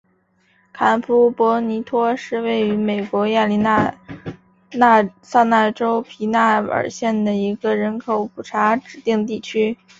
坎普博尼托是位于美国亚利桑那州皮纳尔县的一个人口普查指定地区。